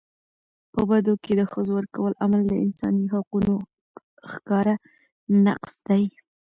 په بدو کي د ښځو ورکولو عمل د انساني حقونو ښکاره نقض دی.